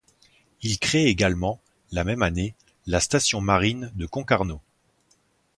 Il crée également, la même année, la station marine de Concarneau.